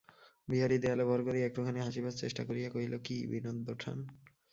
বিহারী দেয়ালে ভর করিয়া একটুখানি হাসিবার চেষ্টা করিয়া কহিল, কী, বিনোদ-বোঠান!